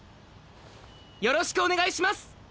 よろしくお願いします！